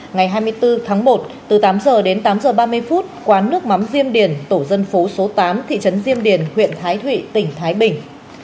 ngày hai mươi bốn tháng một từ tám h đến tám h ba mươi phút quán nước mắm diêm điền tổ dân phố số tám thị trấn diêm điền huyện thái thụy tỉnh thái bình